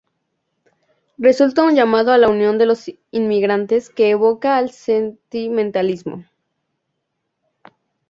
Resulta un llamado a la unión de los inmigrantes que evoca al sentimentalismo.